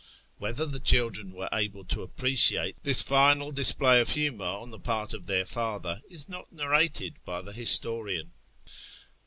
AVhether the children were able to appreciate this final display of humour on the part of their father is not narrated by the historian.